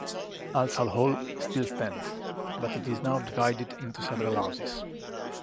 Halsall Hall still stands, but it is now divided into several houses.